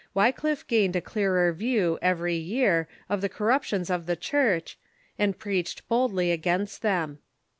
Wycliffe gained a clearer view every year of the coiTuptions of the Church, and preached boldly against them.